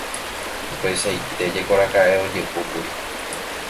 Upeichaite jekoraka'e ojehúkuri.